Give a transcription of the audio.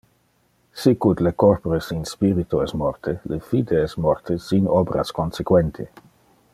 Sicut le corpore sin spirito es morte, le fide es morte sin obras consequente.